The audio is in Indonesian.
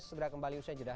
segera kembali usai judah